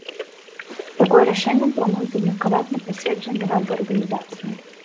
Такое рашэнне плануюць абмеркаваць на пасяджэнні рады арганізацыі.